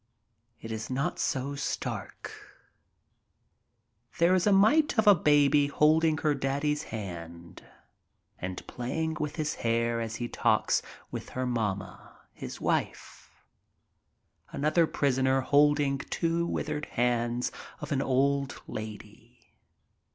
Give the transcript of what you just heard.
It is not so stark. There is a mite of a baby holding her daddy's hand and playing with his hair as he talks with her mamma, his wife. Another prisoner holding two withered hands of an old lady.